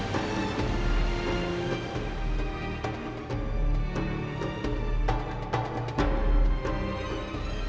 wassalamualaikum warahmatullahi wabarakatuh